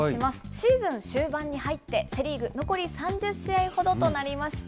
シーズン終盤に入って、セ・リーグ、残り３０試合ほどとなりました。